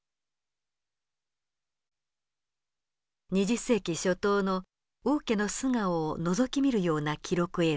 ２０世紀初頭の王家の素顔をのぞき見るような記録映像です。